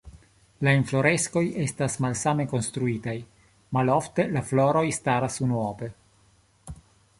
La infloreskoj estas malsame konstruitaj, malofte la floroj staras unuope.